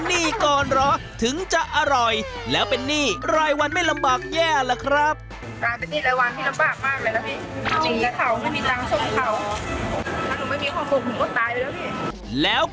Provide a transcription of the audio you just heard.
ไม่ได้รูปจะสู้เลยเปลี่ยนไปทำ